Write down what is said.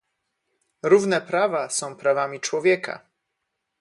Równe prawa są prawami człowieka!